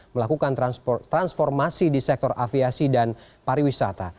melakukan transformasi di sektor aviasi dan pariwisata